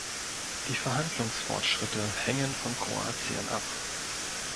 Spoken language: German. Die Verhandlungsfortschritte hängen von Kroatien ab.